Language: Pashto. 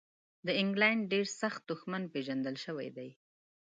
د انګلینډ ډېر سخت دښمن پېژندل شوی دی.